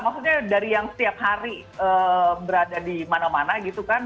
maksudnya dari yang setiap hari berada di mana mana gitu kan